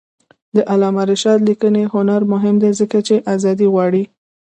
د علامه رشاد لیکنی هنر مهم دی ځکه چې آزادي غواړي.